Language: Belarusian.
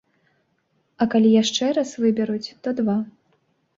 А калі яшчэ раз выберуць, то два.